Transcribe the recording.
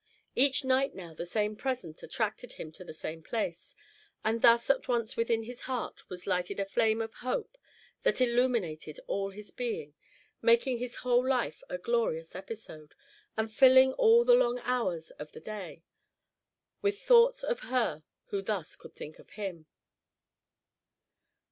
Each night now the same present attracted him to the same place, and thus at once within his heart was lighted a flame of hope that illuminated all his being, making his whole life a glorious episode, and filling all the long hours of the day with thoughts of her who thus could think of him.